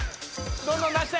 どんどん出して！